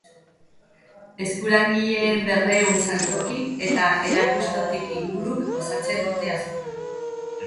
Eskulangileen berrehun saltokik eta erakustokik inguruk osatzen dute azoka.